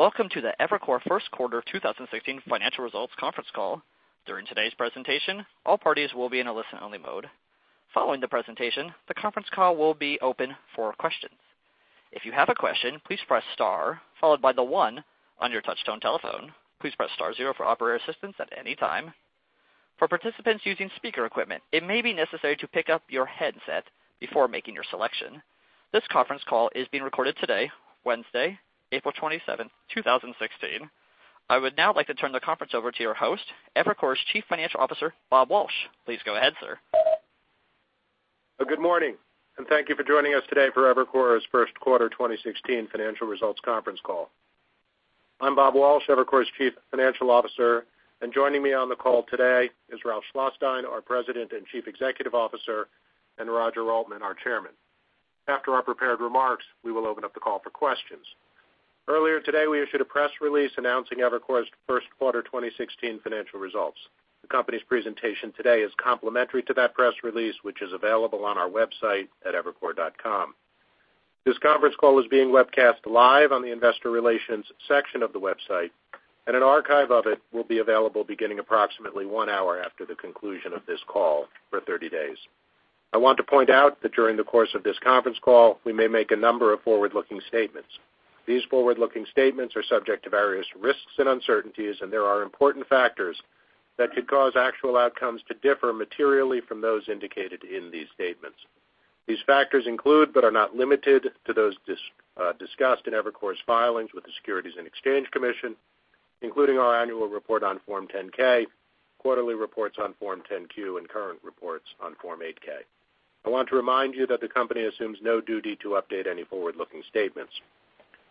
Welcome to the Evercore first quarter 2016 financial results conference call. During today's presentation, all parties will be in a listen-only mode. Following the presentation, the conference call will be open for questions. If you have a question, please press star followed by the one on your touchtone telephone. Please press star zero for operator assistance at any time. For participants using speaker equipment, it may be necessary to pick up your headset before making your selection. This conference call is being recorded today, Wednesday, April 27th, 2016. I would now like to turn the conference over to your host, Evercore's Chief Financial Officer, Robert Walsh. Please go ahead, sir. Good morning. Thank you for joining us today for Evercore's first quarter 2016 financial results conference call. I'm Bob Walsh, Evercore's Chief Financial Officer, and joining me on the call today is Ralph Schlosstein, our President and Chief Executive Officer, and Roger Altman, our Chairman. After our prepared remarks, we will open up the call for questions. Earlier today, we issued a press release announcing Evercore's first quarter 2016 financial results. The company's presentation today is complementary to that press release, which is available on our website at evercore.com. This conference call is being webcast live on the investor relations section of the website. An archive of it will be available beginning approximately one hour after the conclusion of this call for 30 days. I want to point out that during the course of this conference call, we may make a number of forward-looking statements. These forward-looking statements are subject to various risks and uncertainties. There are important factors that could cause actual outcomes to differ materially from those indicated in these statements. These factors include, but are not limited to, those discussed in Evercore's filings with the Securities and Exchange Commission, including our annual report on Form 10-K, quarterly reports on Form 10-Q, and current reports on Form 8-K. I want to remind you that the company assumes no duty to update any forward-looking statements.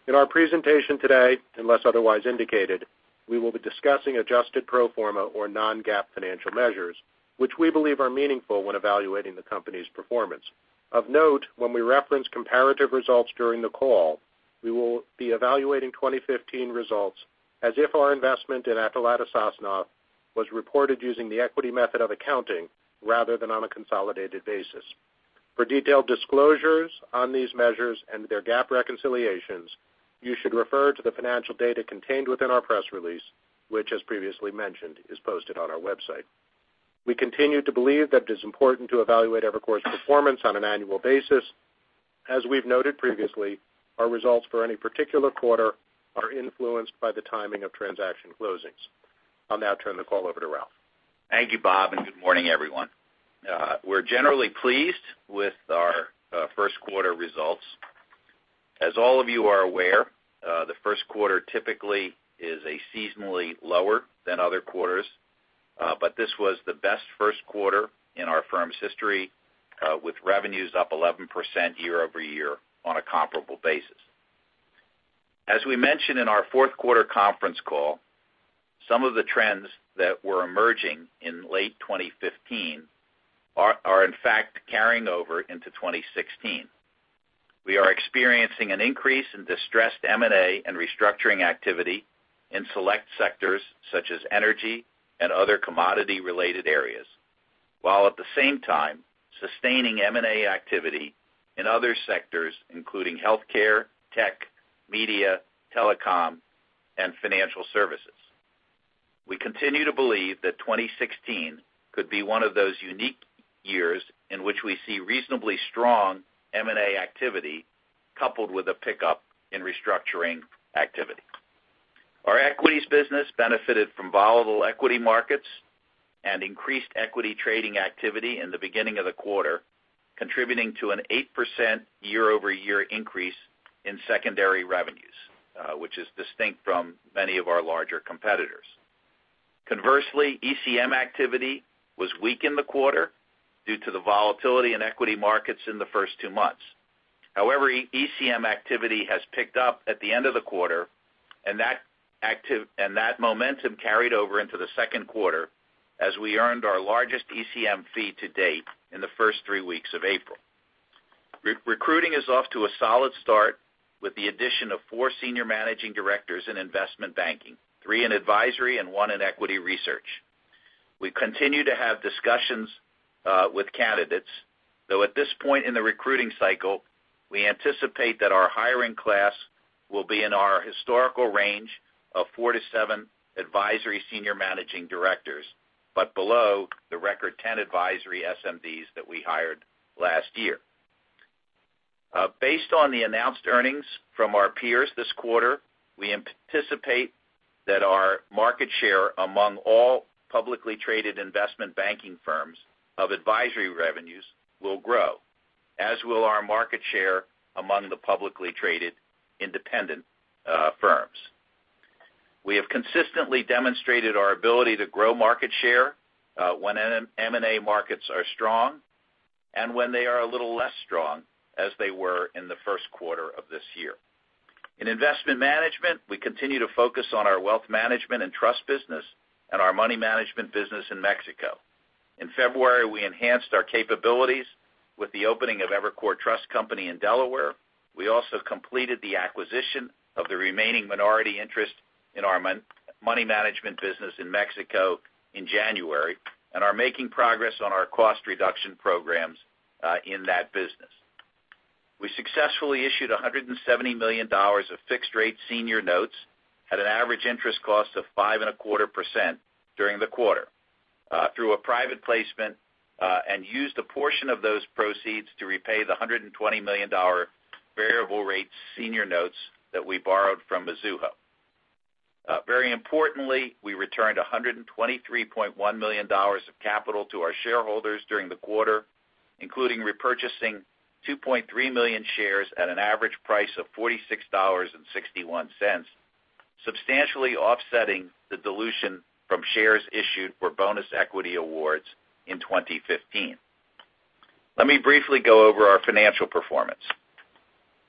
In our presentation today, unless otherwise indicated, we will be discussing adjusted pro forma or non-GAAP financial measures, which we believe are meaningful when evaluating the company's performance. Of note, when we reference comparative results during the call, we will be evaluating 2015 results as if our investment in Atalanta Sosnoff was reported using the equity method of accounting rather than on a consolidated basis. For detailed disclosures on these measures and their GAAP reconciliations, you should refer to the financial data contained within our press release, which, as previously mentioned, is posted on our website. We continue to believe that it is important to evaluate Evercore's performance on an annual basis. As we've noted previously, our results for any particular quarter are influenced by the timing of transaction closings. I'll now turn the call over to Ralph. Thank you, Bob, and good morning, everyone. We are generally pleased with our first quarter results. As all of you are aware, the first quarter typically is seasonally lower than other quarters. This was the best first quarter in our firm's history, with revenues up 11% year-over-year on a comparable basis. As we mentioned in our fourth quarter conference call, some of the trends that were emerging in late 2015 are in fact carrying over into 2016. We are experiencing an increase in distressed M&A and restructuring activity in select sectors such as energy and other commodity-related areas, while at the same time sustaining M&A activity in other sectors, including healthcare, tech, media, telecom, and financial services. We continue to believe that 2016 could be one of those unique years in which we see reasonably strong M&A activity coupled with a pickup in restructuring activity. Our equities business benefited from volatile equity markets and increased equity trading activity in the beginning of the quarter, contributing to an 8% year-over-year increase in secondary revenues, which is distinct from many of our larger competitors. ECM activity was weak in the quarter due to the volatility in equity markets in the first two months. ECM activity has picked up at the end of the quarter, and that momentum carried over into the second quarter as we earned our largest ECM fee to date in the first three weeks of April. Recruiting is off to a solid start with the addition of four Senior Managing Directors in investment banking, three in advisory and one in equity research. We continue to have discussions with candidates. At this point in the recruiting cycle, we anticipate that our hiring class will be in our historical range of four to seven advisory Senior Managing Directors, but below the record 10 advisory SMDs that we hired last year. Based on the announced earnings from our peers this quarter, we anticipate that our market share among all publicly traded investment banking firms of advisory revenues will grow, as will our market share among the publicly traded independent firms. We have consistently demonstrated our ability to grow market share when M&A markets are strong and when they are a little less strong, as they were in the first quarter of this year. In investment management, we continue to focus on our wealth management and trust business and our money management business in Mexico. In February, we enhanced our capabilities with the opening of Evercore Trust Company in Delaware. We also completed the acquisition of the remaining minority interest in our money management business in Mexico in January and are making progress on our cost reduction programs in that business. We successfully issued $170 million of fixed-rate senior notes at an average interest cost of 5.25% during the quarter through a private placement, and used a portion of those proceeds to repay the $120 million variable rate senior notes that we borrowed from Mizuho. Very importantly, we returned $123.1 million of capital to our shareholders during the quarter, including repurchasing 2.3 million shares at an average price of $46.61, substantially offsetting the dilution from shares issued for bonus equity awards in 2015. Let me briefly go over our financial performance.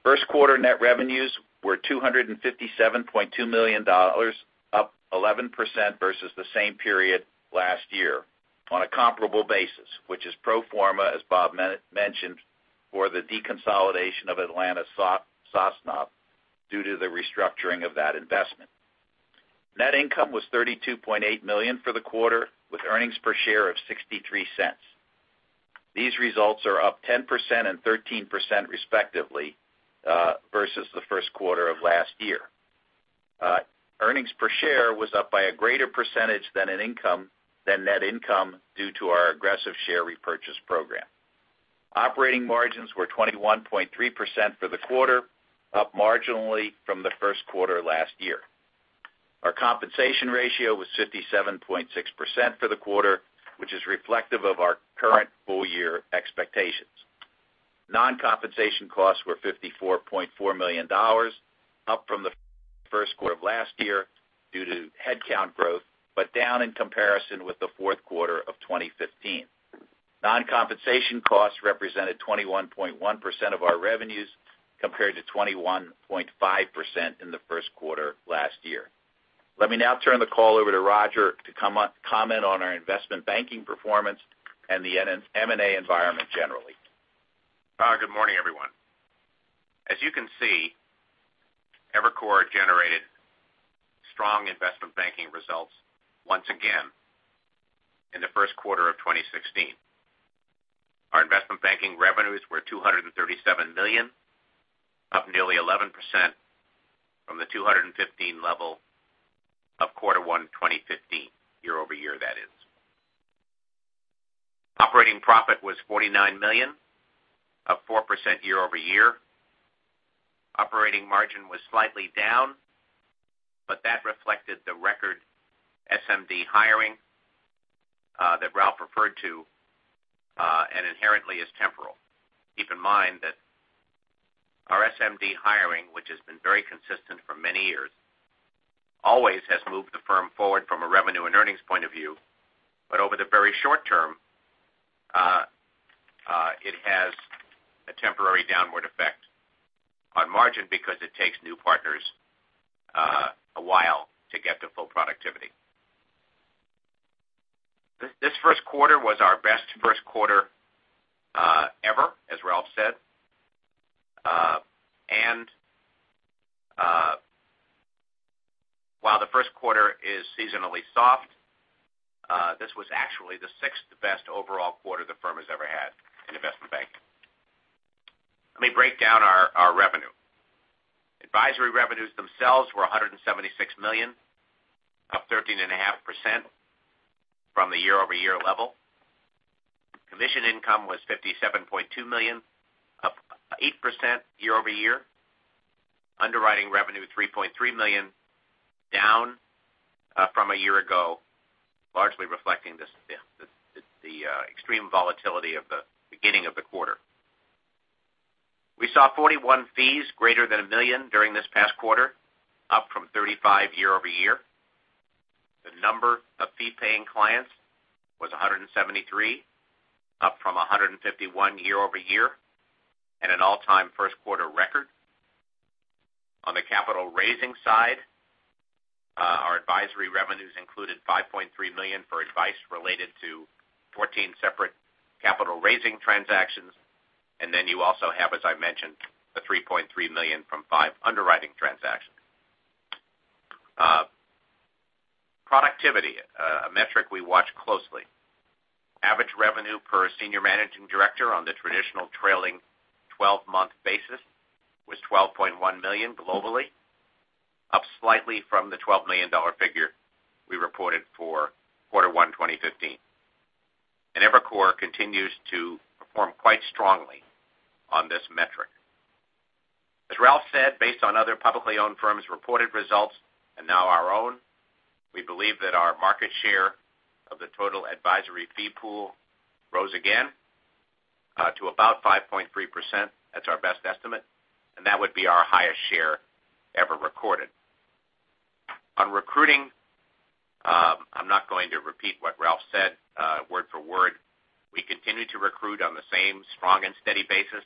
First quarter net revenues were $257.2 million, up 11% versus the same period last year on a comparable basis, which is pro forma, as Bob mentioned, for the deconsolidation of Atalanta Sosnoff, due to the restructuring of that investment. Net income was $32.8 million for the quarter, with earnings per share of $0.63. These results are up 10% and 13% respectively, versus the first quarter of last year. Earnings per share was up by a greater percentage than net income due to our aggressive share repurchase program. Operating margins were 21.3% for the quarter, up marginally from the first quarter last year. Our compensation ratio was 57.6% for the quarter, which is reflective of our current full-year expectations. Non-compensation costs were $54.4 million, up from the first quarter of last year due to headcount growth, but down in comparison with the fourth quarter of 2015. Non-compensation costs represented 21.1% of our revenues, compared to 21.5% in the first quarter last year. Let me now turn the call over to Roger to comment on our investment banking performance and the M&A environment generally. Good morning, everyone. As you can see, Evercore generated strong investment banking results once again in the first quarter of 2016. Our investment banking revenues were $237 million, up nearly 11% from the $215 level of quarter one 2015, year-over-year that is. Operating profit was $49 million, up 4% year-over-year. Operating margin was slightly down, but that reflected the record SMD hiring that Ralph referred to, and inherently is temporal. Keep in mind that our SMD hiring, which has been very consistent for many years, always has moved the firm forward from a revenue and earnings point of view. Over the very short term, it has a temporary downward effect on margin because it takes new partners a while to get to full productivity. This first quarter was our best first quarter ever, as Ralph said. While the first quarter is seasonally soft, this was actually the sixth-best overall quarter the firm has ever had in investment banking. Let me break down our revenue. Advisory revenues themselves were $176 million, up 13.5% from the year-over-year level. Commission income was $57.2 million, up 8% year-over-year. Underwriting revenue, $3.3 million, down from a year ago, largely reflecting the extreme volatility of the beginning of the quarter. We saw 41 fees greater than $1 million during this past quarter, up from 35 year-over-year. The number of fee-paying clients was 173, up from 151 year-over-year, and an all-time first quarter record. On the capital raising side, our advisory revenues included $5.3 million for advice related to 14 separate capital-raising transactions, and then you also have, as I mentioned, the $3.3 million from five underwriting transactions. Productivity, a metric we watch closely. Average revenue per Senior Managing Director on the traditional trailing 12-month basis was $12.1 million globally, up slightly from the $12 million figure we reported for quarter one 2015. Evercore continues to perform quite strongly on this metric. As Ralph said, based on other publicly owned firms' reported results, and now our own, we believe that our market share of the total advisory fee pool rose again to about 5.3%. That's our best estimate. That would be our highest share ever recorded. On recruiting, I'm not going to repeat what Ralph said word for word. We continue to recruit on the same strong and steady basis,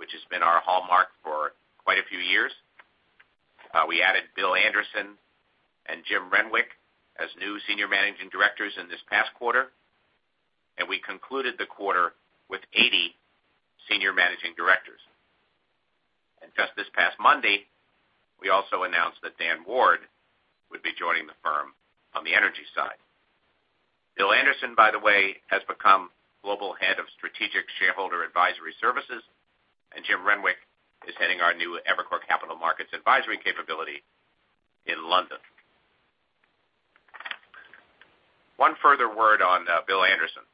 which has been our hallmark for quite a few years. We added Bill Anderson and Jim Renwick as new Senior Managing Directors in this past quarter, and we concluded the quarter with 80 Senior Managing Directors. Just this past Monday, we also announced that Dan Ward would be joining the firm on the energy side. Bill Anderson, by the way, has become Global Head of Strategic Shareholder Advisory Services, and Jim Renwick is heading our new Evercore capital markets advisory capability in London. One further word on Bill Anderson.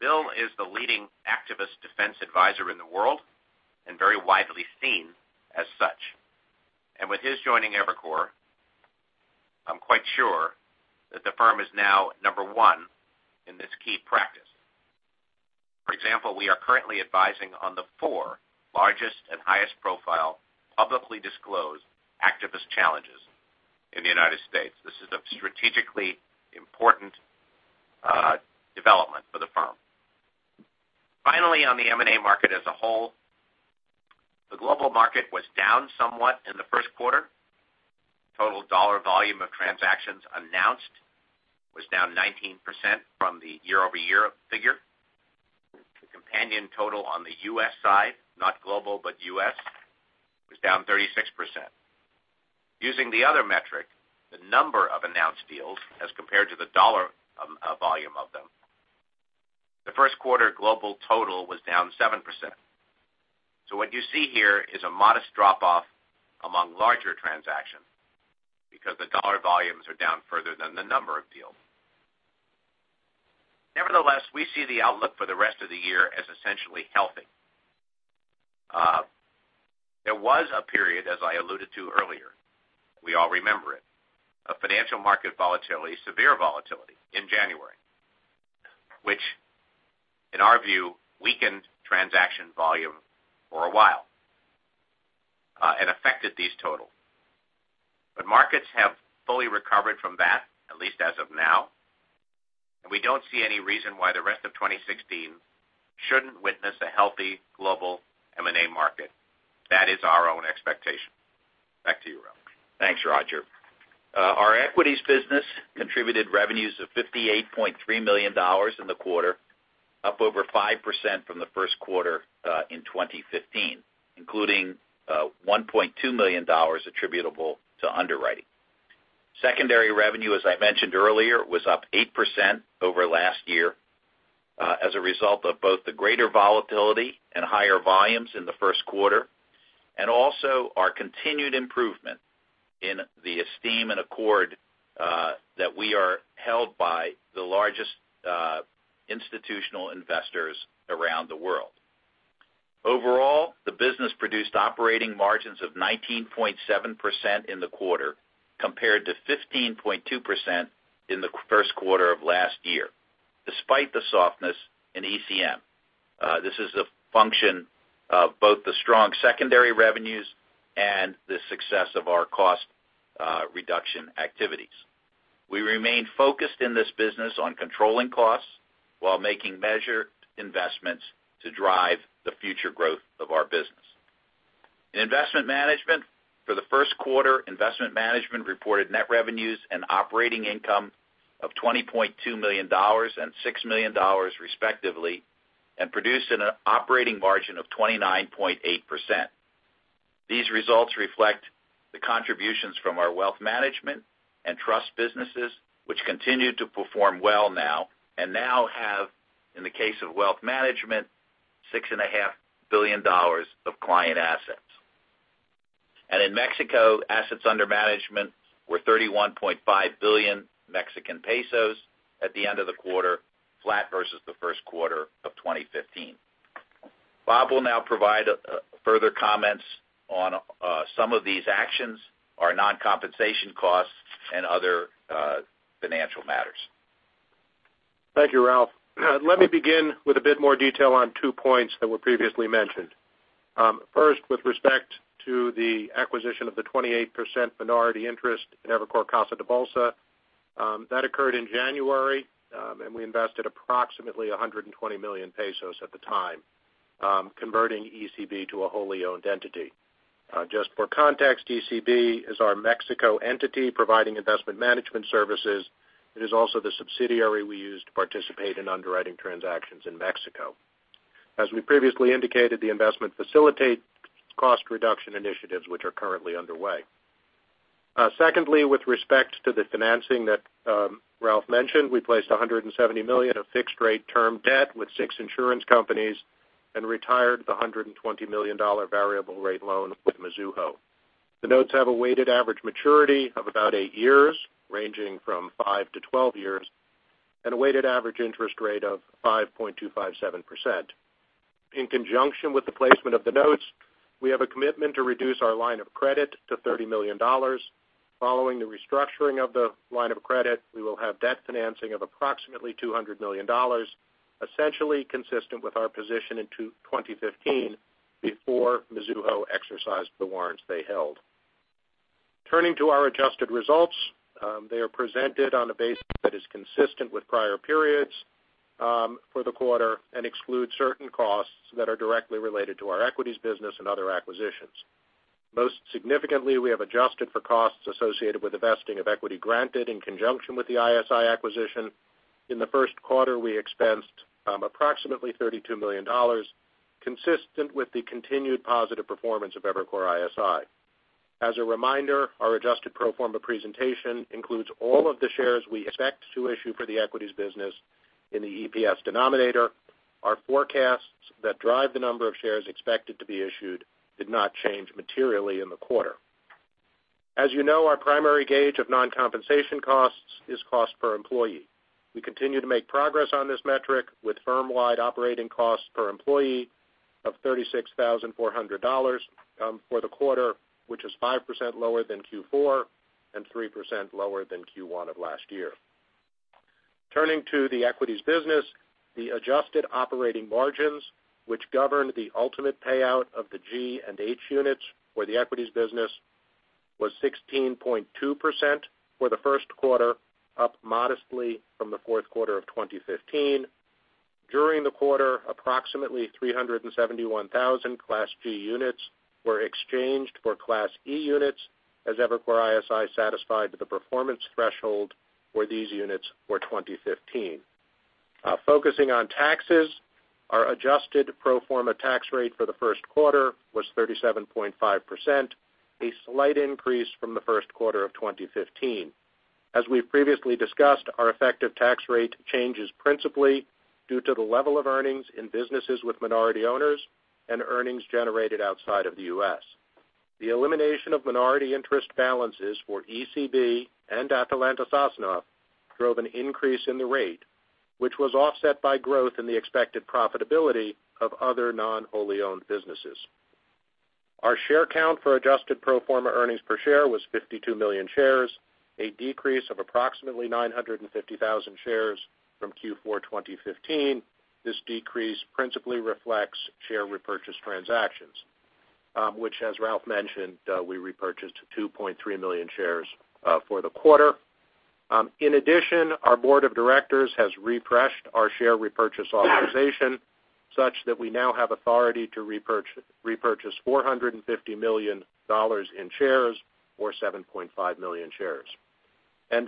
Bill is the leading activist defense advisor in the world and very widely seen as such. With his joining Evercore, I'm quite sure that the firm is now number one in this key practice. For example, we are currently advising on the four largest and highest profile publicly disclosed activist challenges in the U.S. This is a strategically important development for the firm. Finally, on the M&A market as a whole, the global market was down somewhat in the first quarter. Total dollar volume of transactions announced was down 19% from the year-over-year figure. The companion total on the U.S. side, not global but U.S., was down 36%. Using the other metric, the number of announced deals as compared to the dollar volume of them, the first quarter global total was down 7%. What you see here is a modest drop-off among larger transactions because the dollar volumes are down further than the number of deals. Nevertheless, we see the outlook for the rest of the year as essentially healthy. There was a period, as I alluded to earlier, we all remember it, of financial market volatility, severe volatility in January, which, in our view, weakened transaction volume for a while, and affected these totals. Markets have fully recovered from that, at least as of now, and we don't see any reason why the rest of 2016 shouldn't witness a healthy global M&A market. That is our own expectation. Back to you, Ralph. Thanks, Roger. Our equities business contributed revenues of $58.3 million in the quarter, up over 5% from the first quarter in 2015, including $1.2 million attributable to underwriting. Secondary revenue, as I mentioned earlier, was up 8% over last year as a result of both the greater volatility and higher volumes in the first quarter, and also our continued improvement in the esteem and accord that we are held by the largest institutional investors around the world. Overall, the business produced operating margins of 19.7% in the quarter compared to 15.2% in the first quarter of last year, despite the softness in ECM. This is a function of both the strong secondary revenues and the success of our cost reduction activities. We remain focused in this business on controlling costs while making measured investments to drive the future growth of our business. In investment management, for the first quarter, investment management reported net revenues and operating income of $20.2 million and $6 million respectively and produced an operating margin of 29.8%. These results reflect the contributions from our wealth management and trust businesses, which continue to perform well now and now have, in the case of wealth management, $6.5 billion of client assets. In Mexico, assets under management were 31.5 billion Mexican pesos at the end of the quarter, flat versus the first quarter of 2015. Bob will now provide further comments on some of these actions, our non-compensation costs and other financial matters. Thank you, Ralph. Let me begin with a bit more detail on two points that were previously mentioned. First, with respect to the acquisition of the 28% minority interest in Evercore Casa de Bolsa. That occurred in January, we invested approximately 120 million pesos at the time, converting ECB to a wholly owned entity. Just for context, ECB is our Mexico entity providing investment management services. It is also the subsidiary we use to participate in underwriting transactions in Mexico. As we previously indicated, the investment facilitates cost reduction initiatives which are currently underway. Secondly, with respect to the financing that Ralph mentioned, we placed $170 million of fixed rate term debt with six insurance companies and retired the $120 million variable rate loan with Mizuho. The notes have a weighted average maturity of about eight years, ranging from five to 12 years, and a weighted average interest rate of 5.257%. In conjunction with the placement of the notes, we have a commitment to reduce our line of credit to $30 million. Following the restructuring of the line of credit, we will have debt financing of approximately $200 million, essentially consistent with our position in 2015 before Mizuho exercised the warrants they held. Turning to our adjusted results. They are presented on a basis that is consistent with prior periods for the quarter and excludes certain costs that are directly related to our equities business and other acquisitions. Most significantly, we have adjusted for costs associated with the vesting of equity granted in conjunction with the ISI acquisition. In the first quarter, we expensed approximately $32 million, consistent with the continued positive performance of Evercore ISI. As a reminder, our adjusted pro forma presentation includes all of the shares we expect to issue for the equities business in the EPS denominator. Our forecasts that drive the number of shares expected to be issued did not change materially in the quarter. As you know, our primary gauge of non-compensation costs is cost per employee. We continue to make progress on this metric with firm-wide operating costs per employee of $36,400 for the quarter, which is 5% lower than Q4 and 3% lower than Q1 of last year. Turning to the equities business, the adjusted operating margins, which governed the ultimate payout of the G and H units for the equities business, was 16.2% for the first quarter, up modestly from the fourth quarter of 2015. During the quarter, approximately 371,000 Class G units were exchanged for Class E units as Evercore ISI satisfied the performance threshold for these units for 2015. Focusing on taxes, our adjusted pro forma tax rate for the first quarter was 37.5%, a slight increase from the first quarter of 2015. As we've previously discussed, our effective tax rate changes principally due to the level of earnings in businesses with minority owners and earnings generated outside of the U.S. The elimination of minority interest balances for ECB and Atalanta Sosnoff drove an increase in the rate, which was offset by growth in the expected profitability of other non-wholly owned businesses. Our share count for adjusted pro forma earnings per share was 52 million shares, a decrease of approximately 950,000 shares from Q4 2015. This decrease principally reflects share repurchase transactions, which as Ralph mentioned, we repurchased 2.3 million shares for the quarter. In addition, our board of directors has refreshed our share repurchase authorization such that we now have authority to repurchase $450 million in shares or 7.5 million shares.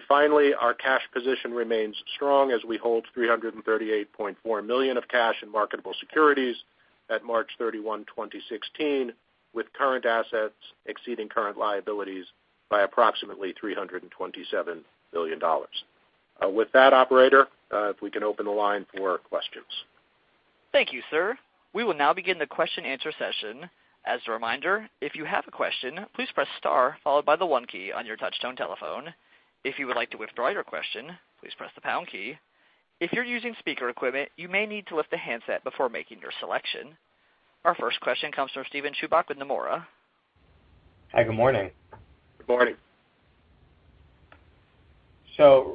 Finally, our cash position remains strong as we hold $338.4 million of cash and marketable securities at March 31, 2016, with current assets exceeding current liabilities by approximately $327 million. With that, operator, if we can open the line for questions. Thank you, sir. We will now begin the question and answer session. As a reminder, if you have a question, please press star followed by the one key on your touchtone telephone. If you would like to withdraw your question, please press the pound key. If you're using speaker equipment, you may need to lift the handset before making your selection. Our first question comes from Steven Chubak with Nomura. Hi, good morning. Good morning.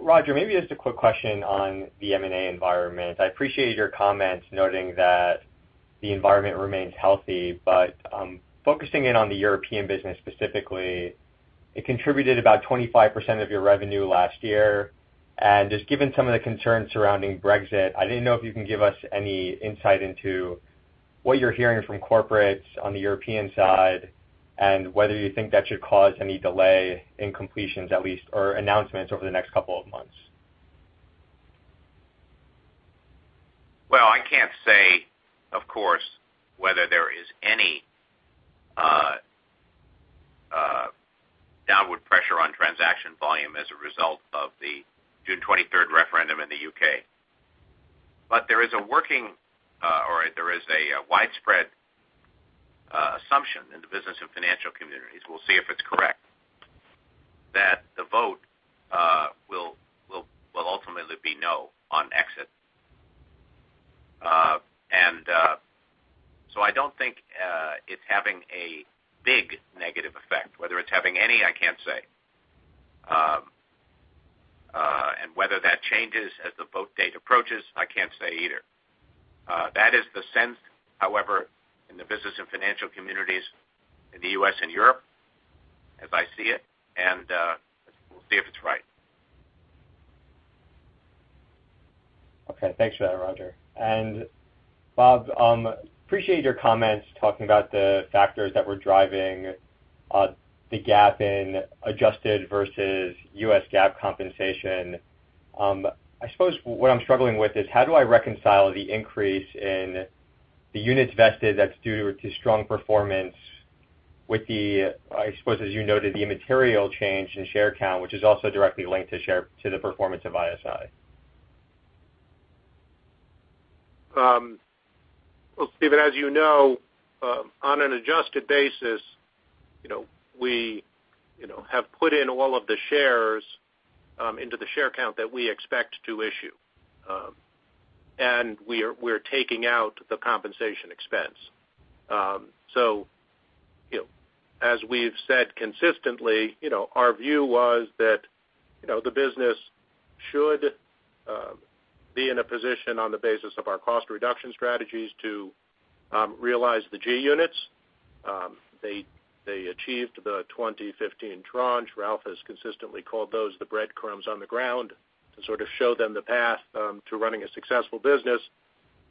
Roger, maybe just a quick question on the M&A environment. I appreciate your comments noting that the environment remains healthy, but focusing in on the European business specifically, it contributed about 25% of your revenue last year. Just given some of the concerns surrounding Brexit, I didn't know if you can give us any insight into what you're hearing from corporates on the European side, and whether you think that should cause any delay in completions at least, or announcements over the next couple of months. I can't say, of course, whether there is any downward pressure on transaction volume as a result of the June 23rd referendum in the U.K. There is a working, or there is a widespread assumption in the business and financial communities, we'll see if it's correct, that the vote will ultimately be no on exit. I don't think it's having a big negative effect. Whether it's having any, I can't say. Whether that changes as the vote date approaches, I can't say either. That is the sense, however, in the business and financial communities in the U.S. and Europe as I see it, and we'll see if it's right. Okay. Thanks for that, Roger. Bob, appreciate your comments talking about the factors that were driving the gap in adjusted versus U.S. GAAP compensation. I suppose what I'm struggling with is how do I reconcile the increase in the units vested that's due to strong performance with the, I suppose as you noted, the immaterial change in share count, which is also directly linked to the performance of ISI. Well, Steven, as you know, on an adjusted basis, we have put in all of the shares into the share count that we expect to issue. We're taking out the compensation expense. As we've said consistently, our view was that the business should be in a position on the basis of our cost reduction strategies to realize the G units. They achieved the 2015 tranche. Ralph has consistently called those the breadcrumbs on the ground to sort of show them the path to running a successful business.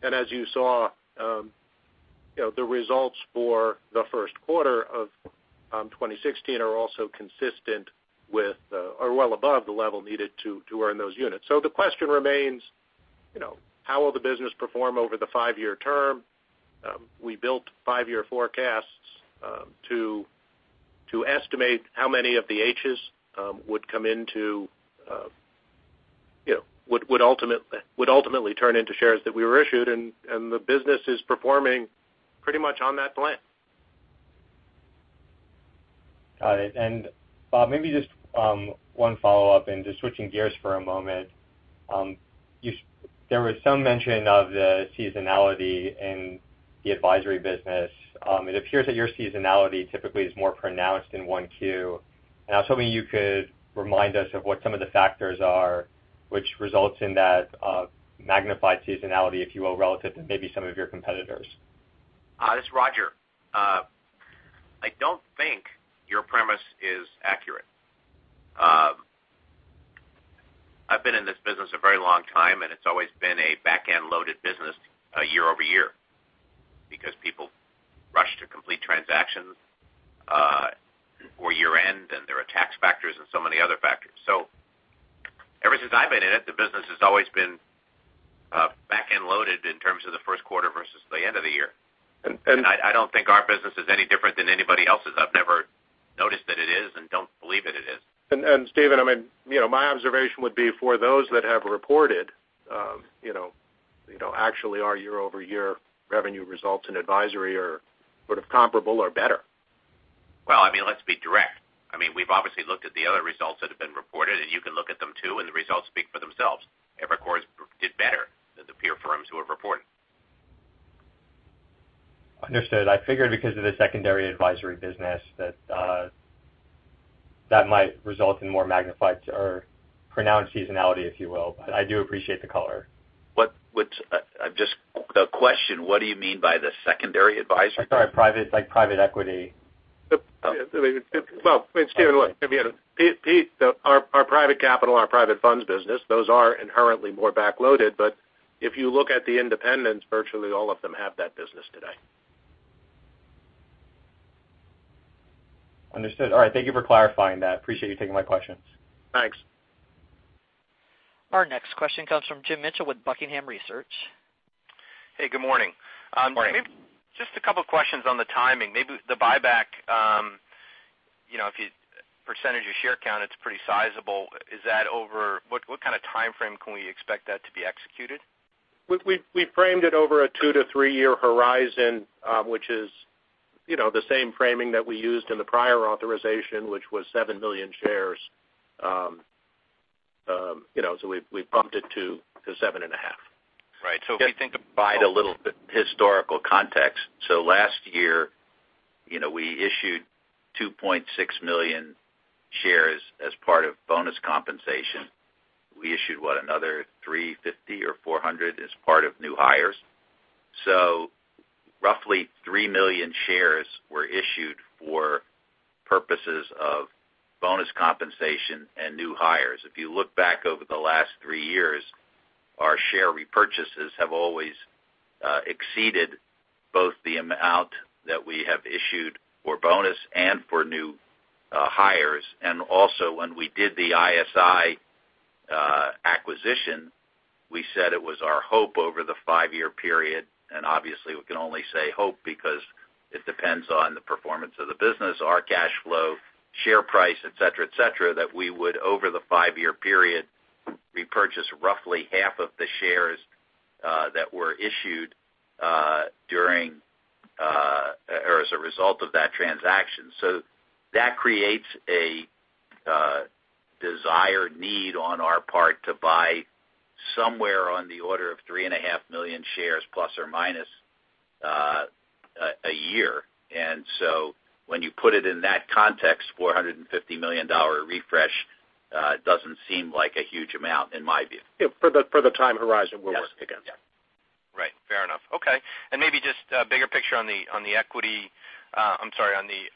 As you saw, the results for the first quarter of 2016 are also consistent with, or well above the level needed to earn those units. The question remains, how will the business perform over the five-year term? We built five-year forecasts to estimate how many of the Hs would ultimately turn into shares that we were issued, the business is performing pretty much on that plan. Got it. Bob, maybe just one follow-up and just switching gears for a moment. There was some mention of the seasonality in the advisory business. It appears that your seasonality typically is more pronounced in 1Q. I was hoping you could remind us of what some of the factors are which results in that magnified seasonality, if you will, relative to maybe some of your competitors. This is Roger. I don't think your premise is accurate. I've been in this business a very long time, and it's always been a back-end loaded business year-over-year because people rush to complete transactions for year-end, and there are tax factors and so many other factors. Ever since I've been in it, the business has always been back-end loaded in terms of the first quarter versus the end of the year. And- I don't think our business is any different than anybody else's. I've never noticed that it is and don't believe that it is. Steven, my observation would be for those that have reported, actually our year-over-year revenue results in advisory are sort of comparable or better. Well, let's be direct. We've obviously looked at the other results that have been reported, and you can look at them too, and the results speak for themselves. Evercore's did better than the peer firms who have reported. Understood. I figured because of the secondary advisory business, that might result in more magnified or pronounced seasonality, if you will. I do appreciate the color. The question, what do you mean by the secondary advisory? Sorry. It's like private equity. Well, Steven, look, our private capital, our private funds business, those are inherently more back-loaded, if you look at the independents, virtually all of them have that business today. Understood. All right. Thank you for clarifying that. Appreciate you taking my questions. Thanks. Our next question comes from Jim Mitchell with Buckingham Research. Hey, good morning. Morning. Just a couple of questions on the timing. The buyback, percentage of share count, it's pretty sizable. What kind of timeframe can we expect that to be executed? We framed it over a two to three-year horizon, which is the same framing that we used in the prior authorization, which was 7 million shares. We bumped it to 7 and a half. Right. To provide a little bit historical context. Last year, we issued 2.6 million shares as part of bonus compensation. We issued, what, another 350 or 400 as part of new hires. Roughly 3 million shares were issued for purposes of bonus compensation and new hires. If you look back over the last three years, our share repurchases have always exceeded both the amount that we have issued for bonus and for new hires. Also, when we did the ISI acquisition, we said it was our hope over the five-year period, and obviously we can only say hope because it depends on the performance of the business, our cash flow, share price, et cetera, that we would, over the five-year period, repurchase roughly half of the shares that were issued as a result of that transaction. That creates a desired need on our part to buy somewhere on the order of 3 and a half million shares, plus or minus, a year. When you put it in that context, $450 million refresh doesn't seem like a huge amount in my view. For the time horizon we're working against. Yes. Right. Fair enough. Okay. Maybe just a bigger picture on the equity. I'm sorry, on the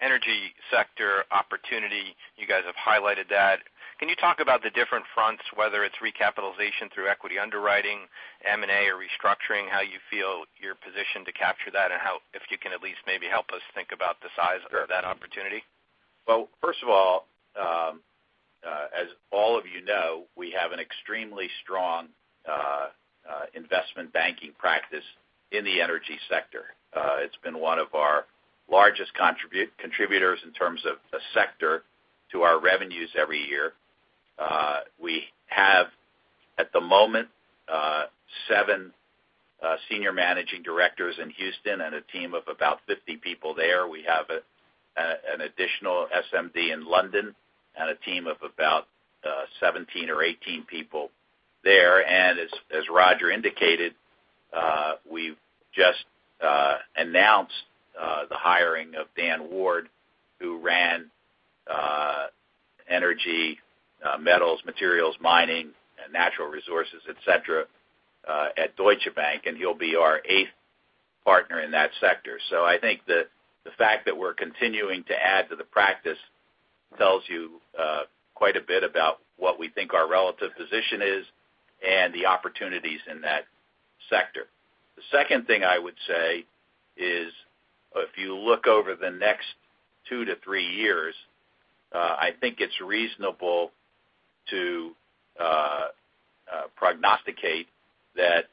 energy sector opportunity. You guys have highlighted that. Can you talk about the different fronts, whether it's recapitalization through equity underwriting, M&A or restructuring, how you feel you're positioned to capture that, and if you can at least maybe help us think about the size of that opportunity? Well, first of all, as all of you know, we have an extremely strong investment banking practice in the energy sector. It's been one of our largest contributors in terms of the sector to our revenues every year. We have, at the moment, seven senior managing directors in Houston and a team of about 50 people there. We have an additional SMD in London and a team of about 17 or 18 people there. As Roger indicated, we've just announced the hiring of Dan Ward, who ran energy, metals, materials, mining, and natural resources, et cetera, at Deutsche Bank, and he'll be our eighth partner in that sector. I think that the fact that we're continuing to add to the practice tells you quite a bit about what we think our relative position is and the opportunities in that sector. The second thing I would say is, if you look over the next 2 to 3 years, I think it's reasonable to prognosticate that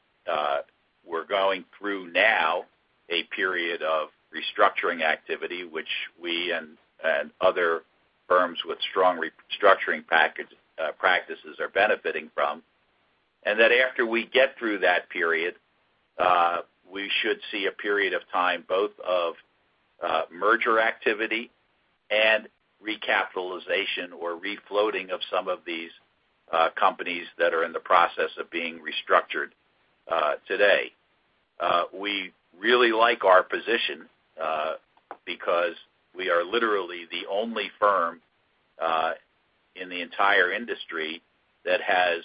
we're going through now a period of restructuring activity, which we and other firms with strong restructuring practices are benefiting from. After we get through that period, we should see a period of time both of merger activity and recapitalization or refloating of some of these companies that are in the process of being restructured today. We really like our position because we are literally the only firm in the entire industry that has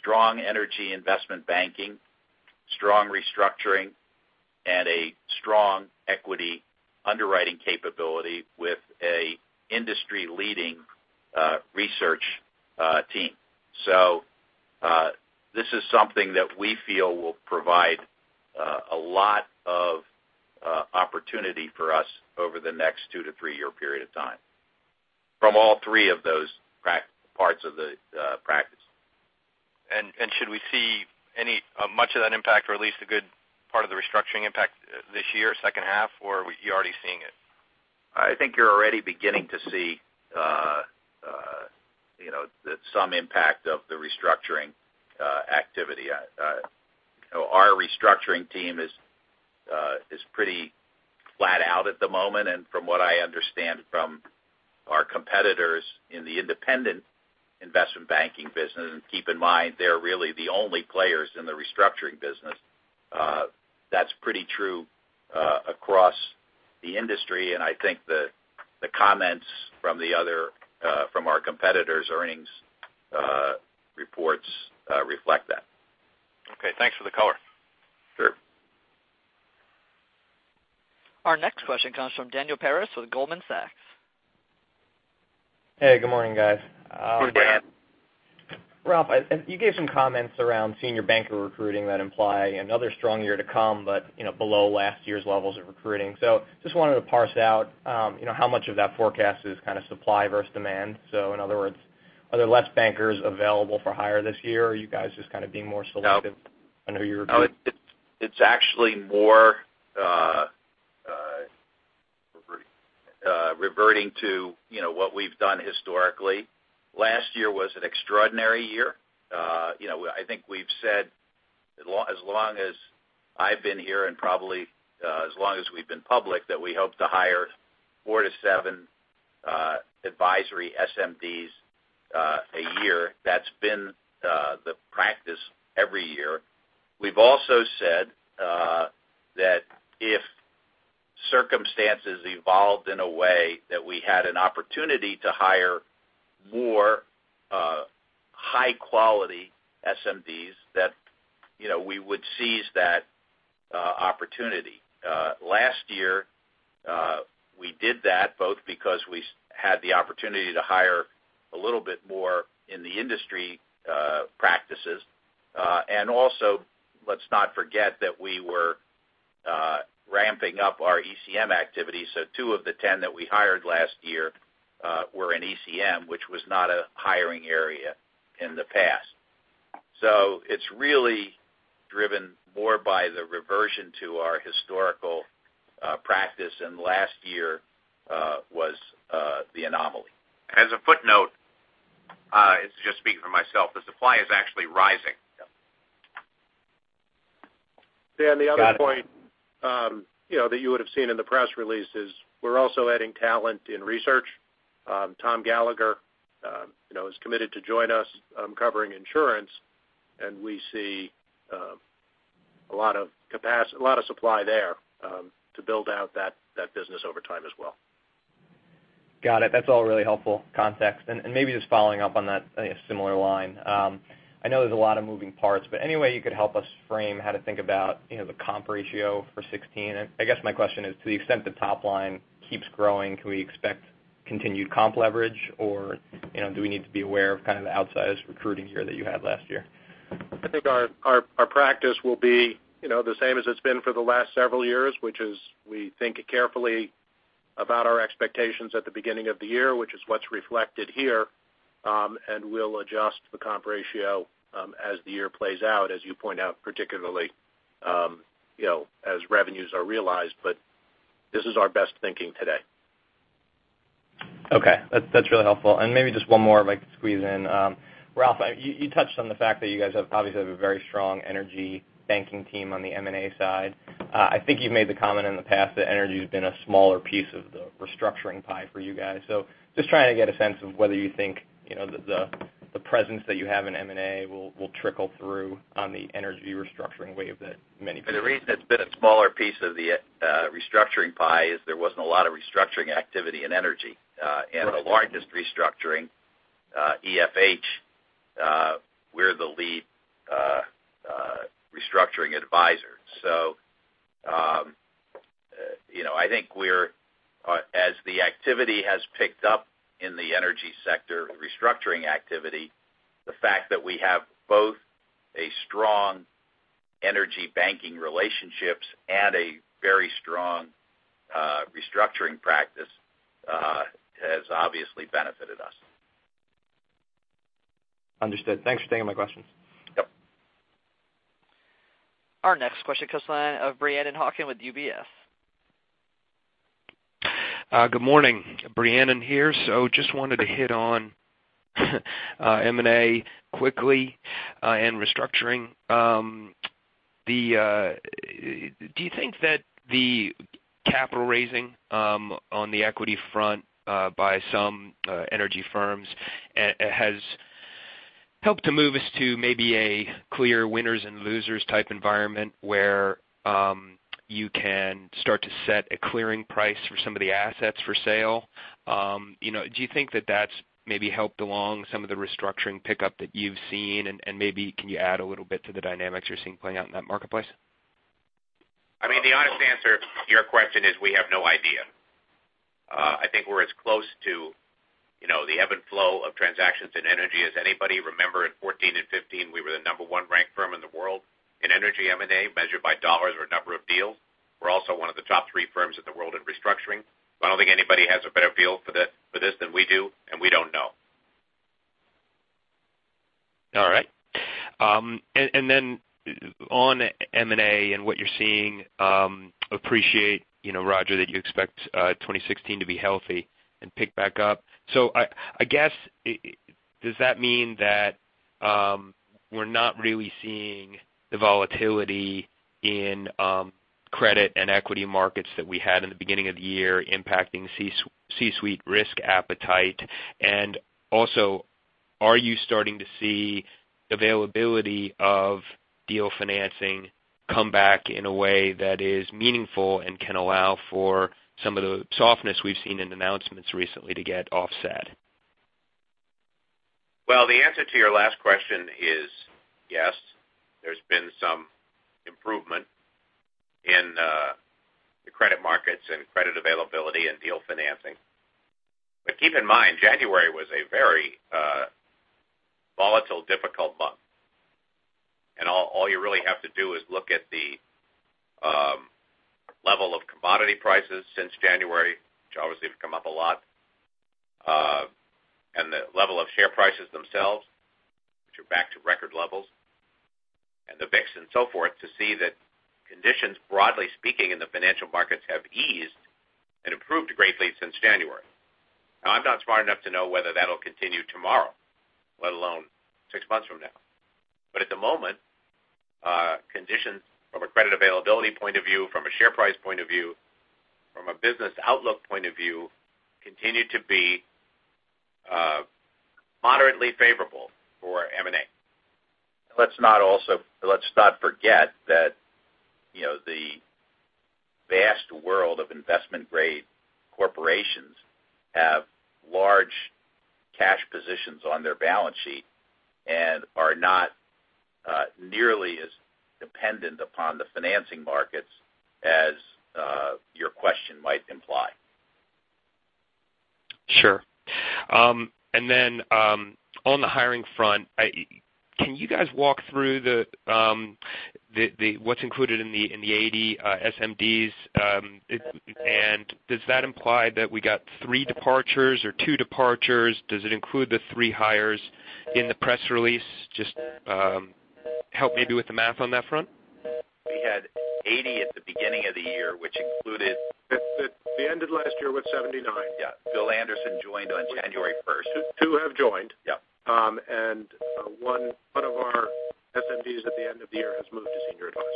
strong energy investment banking, strong restructuring, and a strong equity underwriting capability with an industry-leading research team. This is something that we feel will provide a lot of opportunity for us over the next 2 to 3-year period of time from all three of those parts of the practice. Should we see much of that impact or at least a good part of the restructuring impact this year, second half, or are you already seeing it? I think you're already beginning to see some impact of the restructuring activity. Our restructuring team is pretty flat out at the moment, and from what I understand from our competitors in the independent investment banking business, and keep in mind, they're really the only players in the restructuring business. That's pretty true across the industry, and I think the comments from our competitors' earnings reports reflect that. Okay. Thanks for the color. Sure. Our next question comes from Devin Ryan with Goldman Sachs. Hey, good morning, guys. Good morning. Ralph, you gave some comments around senior banker recruiting that imply another strong year to come but below last year's levels of recruiting. Just wanted to parse out how much of that forecast is kind of supply versus demand. In other words, are there less bankers available for hire this year, or are you guys just kind of being more selective on who you're recruiting? No, it's actually more reverting to what we've done historically. Last year was an extraordinary year. I think we've said, as long as I've been here and probably as long as we've been public, that we hope to hire four to seven advisory SMDs a year. That's been the practice every year. We've also said that if circumstances evolved in a way that we had an opportunity to hire more high-quality SMDs, that we would seize that opportunity. Last year, we did that both because we had the opportunity to hire a little bit more in the industry practices. Also, let's not forget that we were ramping up our ECM activity. Two of the 10 that we hired last year were in ECM, which was not a hiring area in the past. it's really driven more by the reversion to our historical practice, and last year was the anomaly. As a footnote, to just speak for myself, the supply is actually rising. Yeah. Devin, the other point that you would have seen in the press release is we're also adding talent in research. Thomas Gallagher has committed to join us covering insurance, and we see a lot of supply there to build out that business over time as well. Got it. That's all really helpful context. Maybe just following up on that in a similar line. I know there's a lot of moving parts, but any way you could help us frame how to think about the comp ratio for 2016? I guess my question is, to the extent the top line keeps growing, can we expect continued comp leverage, or do we need to be aware of kind of the outsized recruiting year that you had last year? I think our practice will be the same as it's been for the last several years, which is we think carefully about our expectations at the beginning of the year, which is what's reflected here. We'll adjust the comp ratio as the year plays out, as you point out, particularly as revenues are realized. This is our best thinking today. Okay. That's really helpful. Maybe just one more if I could squeeze in. Ralph, you touched on the fact that you guys obviously have a very strong energy banking team on the M&A side. I think you've made the comment in the past that energy has been a smaller piece of the restructuring pie for you guys. Just trying to get a sense of whether you think the presence that you have in M&A will trickle through on the energy restructuring wave that many people. The reason it's been a smaller piece of the restructuring pie is there wasn't a lot of restructuring activity in energy. The largest restructuring EFH, we're the lead restructuring advisor. I think as the activity has picked up in the energy sector restructuring activity, the fact that we have both a strong energy banking relationships and a very strong restructuring practice has obviously benefited us. Understood. Thanks for taking my questions. Yep. Our next question comes from Brennan Hawken with UBS. Good morning. Brennan in here. Just wanted to hit on M&A quickly and restructuring. Do you think that the capital raising on the equity front by some energy firms has helped to move us to maybe a clear winners and losers type environment where you can start to set a clearing price for some of the assets for sale? Do you think that that's maybe helped along some of the restructuring pickup that you've seen, and maybe can you add a little bit to the dynamics you're seeing playing out in that marketplace? I mean, the honest answer to your question is we have no idea. I think we're as close to the ebb and flow of transactions in energy as anybody. Remember, in 2014 and 2015, we were the number one ranked firm in the world in energy M&A, measured by $ or number of deals. We're also one of the top three firms in the world in restructuring. I don't think anybody has a better feel for this than we do, and we don't know. All right. On M&A and what you're seeing, appreciate, Roger, that you expect 2016 to be healthy and pick back up. I guess, does that mean that we're not really seeing the volatility in credit and equity markets that we had in the beginning of the year impacting C-suite risk appetite? Also, are you starting to see availability of deal financing come back in a way that is meaningful and can allow for some of the softness we've seen in announcements recently to get offset? The answer to your last question is yes. There's been some improvement in the credit markets and credit availability and deal financing. Keep in mind, January was a very volatile, difficult month. All you really have to do is look at the level of commodity prices since January, which obviously have come up a lot. The level of share prices themselves, which are back to record levels, and the VIX and so forth, to see that conditions, broadly speaking, in the financial markets have eased and improved greatly since January. I'm not smart enough to know whether that'll continue tomorrow, let alone six months from now. At the moment, conditions from a credit availability point of view, from a share price point of view, from a business outlook point of view, continue to be moderately favorable for M&A. Let's not forget that the vast world of investment-grade corporations have large cash positions on their balance sheet and are not nearly as dependent upon the financing markets as your question might imply. Sure. On the hiring front, can you guys walk through what's included in the 80 SMDs, and does that imply that we got three departures or two departures? Does it include the three hires in the press release? Just help maybe with the math on that front. We had 80 at the beginning of the year, which included We ended last year with 79. Yeah. Bill Anderson joined on January 1st. Two have joined. Yeah. One of our SMDs at the end of the year has moved to senior advisor.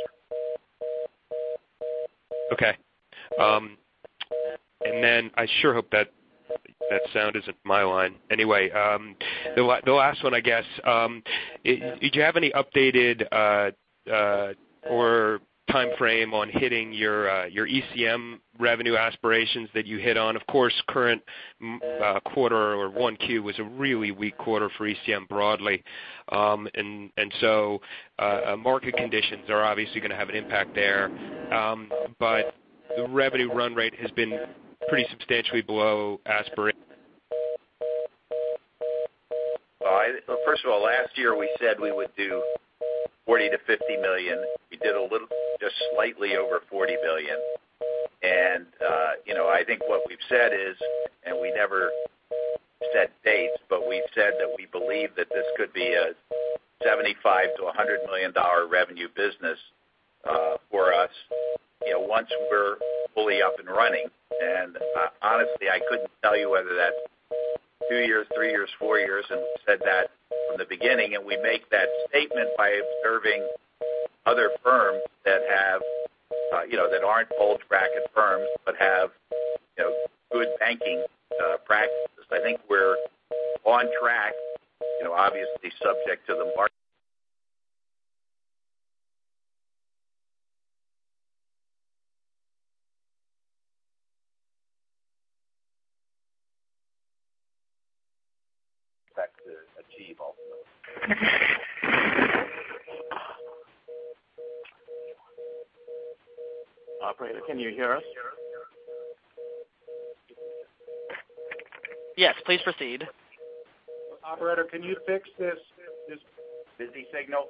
Okay. I sure hope that sound isn't my line. The last one, I guess. Do you have any updated or timeframe on hitting your ECM revenue aspirations that you hit on? Of course, current quarter or 1Q was a really weak quarter for ECM broadly. Market conditions are obviously going to have an impact there. But the revenue run rate has been pretty substantially below aspiration. First of all, last year we said we would do $40 million-$50 million. We did a little, just slightly over $40 million. I think what we've said is, we never set dates, but we've said that we believe that this could be a $75 million-$100 million revenue business for us once we're fully up and running. Honestly, I couldn't tell you whether that's two years, three years, four years, and said that from the beginning. We make that statement by observing other firms that aren't full-track firms but have good banking practices. I think we're on track, obviously subject to the market. Operator, can you hear us? Yes, please proceed. Operator, can you fix this busy signal?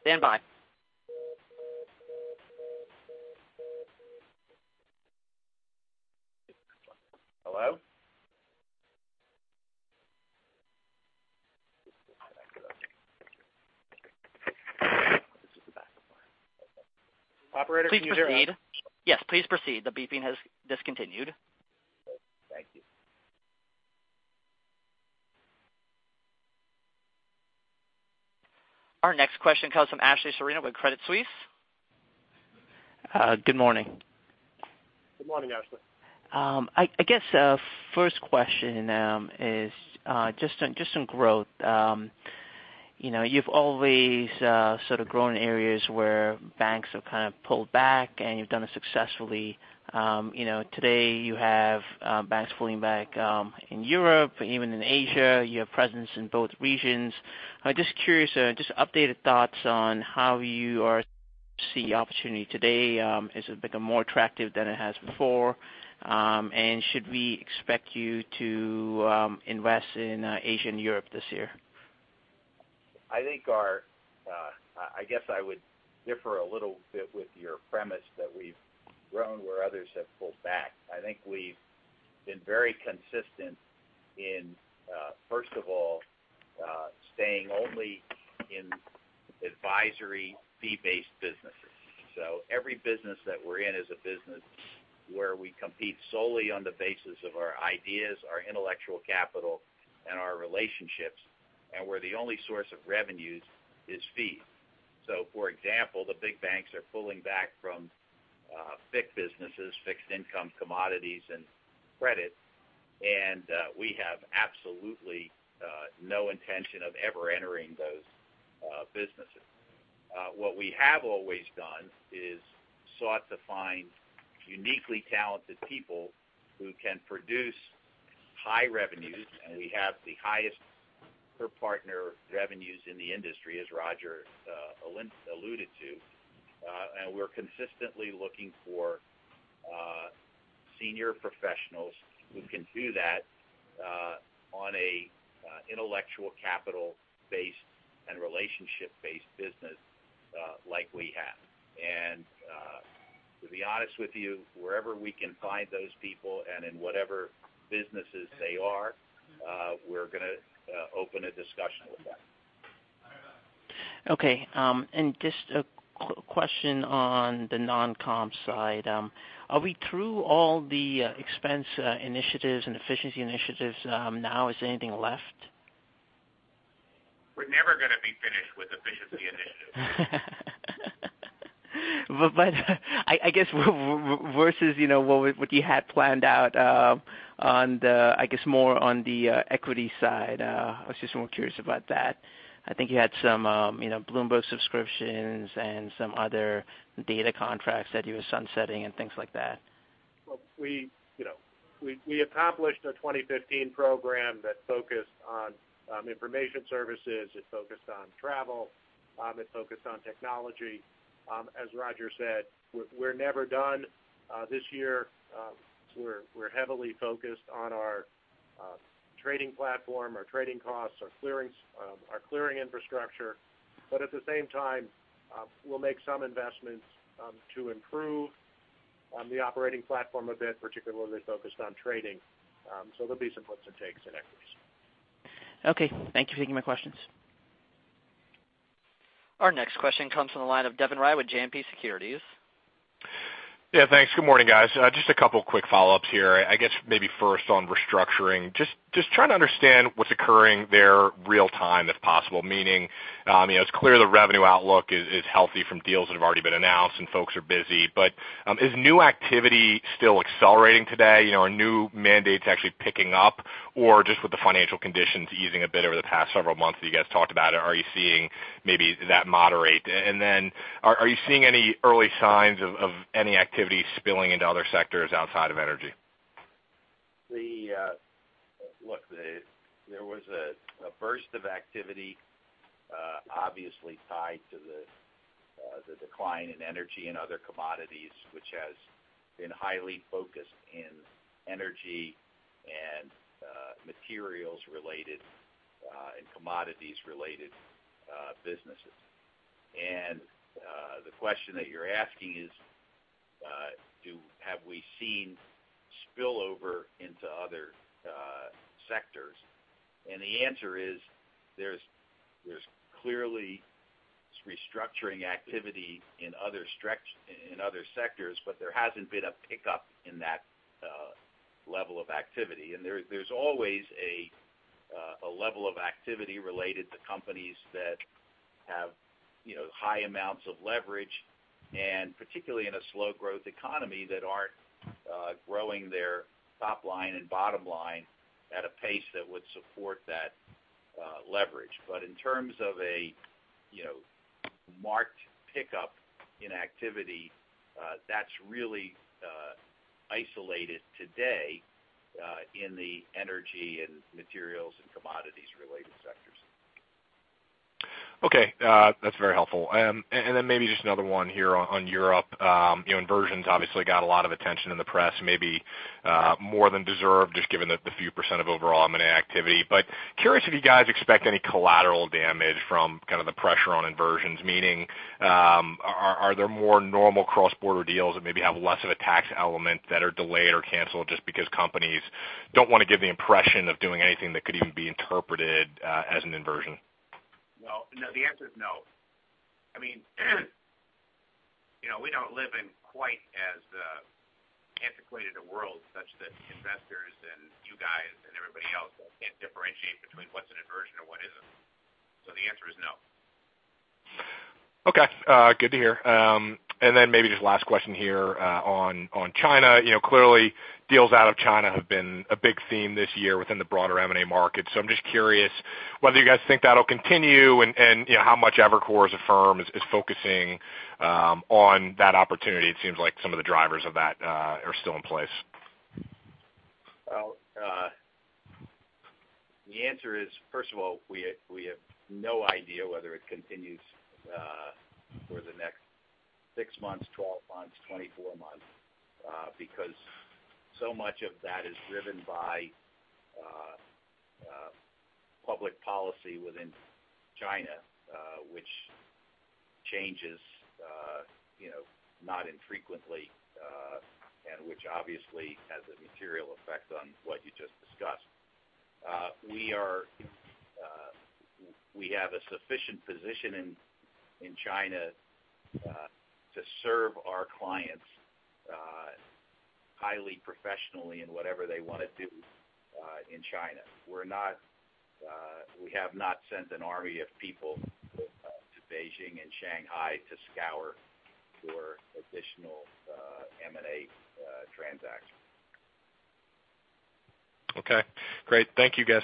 Standby. Hello? Operator, can you hear us? Please proceed. Yes, please proceed. The beeping has discontinued. Thank you. Our next question comes from Ashley Serrao with Credit Suisse. Good morning. Good morning, Ashley. First question is just on growth. You've always sort of grown in areas where banks have kind of pulled back, and you've done it successfully. Today you have banks pulling back in Europe, even in Asia. You have presence in both regions. I'm just curious, just updated thoughts on how you see opportunity today. Has it become more attractive than it has before? Should we expect you to invest in Asia and Europe this year? I would differ a little bit with your premise that we've grown where others have pulled back. I think we've been very consistent in, first of all, staying only in advisory fee-based businesses. Every business that we're in is a business where we compete solely on the basis of our ideas, our intellectual capital, and our relationships, and where the only source of revenues is fees. For example, the big banks are pulling back from FIC businesses, fixed income commodities, and credit. We have absolutely no intention of ever entering those businesses. What we have always done is sought to find uniquely talented people who can produce high revenues, and we have the highest per-partner revenues in the industry, as Roger alluded to. We're consistently looking for senior professionals who can do that on an intellectual capital-based and relationship-based business like we have. To be honest with you, wherever we can find those people and in whatever businesses they are, we're going to open a discussion with them. Okay. Just a question on the non-comp side. Are we through all the expense initiatives and efficiency initiatives now? Is there anything left? We're never going to be finished with efficiency initiatives. I guess versus what you had planned out on the, I guess, more on the equity side, I was just more curious about that. I think you had some Bloomberg subscriptions and some other data contracts that you were sunsetting and things like that. We accomplished a 2015 program that focused on information services, it focused on travel, it focused on technology. As Roger said, we're never done. This year, we're heavily focused on our trading platform, our trading costs, our clearing infrastructure. At the same time, we'll make some investments to improve on the operating platform a bit, particularly focused on trading. There'll be some puts and takes in equities. Okay. Thank you for taking my questions. Our next question comes from the line of Devin Ryan with JMP Securities. Yeah, thanks. Good morning, guys. Just a couple of quick follow-ups here. I guess maybe first on restructuring, just trying to understand what's occurring there real-time if possible, meaning, it's clear the revenue outlook is healthy from deals that have already been announced and folks are busy. Is new activity still accelerating today? Are new mandates actually picking up? Just with the financial conditions easing a bit over the past several months that you guys talked about, are you seeing maybe that moderate? Are you seeing any early signs of any activity spilling into other sectors outside of energy? Look, there was a burst of activity obviously tied to the decline in energy and other commodities, which has been highly focused in energy and materials-related and commodities-related businesses. The question that you're asking is, have we seen spillover into other sectors? The answer is, there's clearly restructuring activity in other sectors, but there hasn't been a pickup in that level of activity. There's always a level of activity related to companies that have high amounts of leverage, and particularly in a slow-growth economy that aren't growing their top line and bottom line at a pace that would support that leverage. In terms of a marked pickup in activity, that's really isolated today in the energy and materials and commodities-related sectors. Okay. That's very helpful. Then maybe just another one here on Europe. Inversions obviously got a lot of attention in the press, maybe more than deserved, just given the few % of overall M&A activity. Curious if you guys expect any collateral damage from the pressure on inversions, meaning are there more normal cross-border deals that maybe have less of a tax element that are delayed or canceled just because companies don't want to give the impression of doing anything that could even be interpreted as an inversion? Well, no, the answer is no. We don't live in quite as antiquated a world such that investors and you guys and everybody else can't differentiate between what's an inversion or what isn't. The answer is no. Okay. Good to hear. Then maybe just last question here on China. Clearly, deals out of China have been a big theme this year within the broader M&A market. I'm just curious whether you guys think that'll continue and how much Evercore as a firm is focusing on that opportunity. It seems like some of the drivers of that are still in place. Well, the answer is, first of all, we have no idea whether it continues for the next 6 months, 12 months, 24 months, because so much of that is driven by public policy within China, which changes not infrequently, and which obviously has a material effect on what you just discussed. We have a sufficient position in China to serve our clients highly professionally in whatever they want to do in China. We have not sent an army of people to Beijing and Shanghai to scour for additional M&A transactions. Okay, great. Thank you, guys.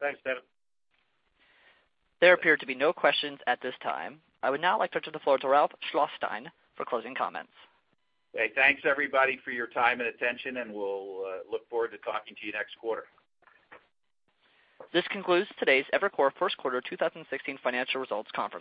Thanks, Devin. There appear to be no questions at this time. I would now like to turn the floor to Ralph Schlosstein for closing comments. Hey, thanks, everybody, for your time and attention, and we'll look forward to talking to you next quarter. This concludes today's Evercore First Quarter 2016 Financial Results Conference.